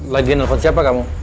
lagi nelfon siapa kamu